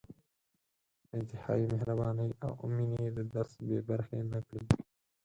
د انتهايي مهربانۍ او مېنې له درس بې برخې نه کړي.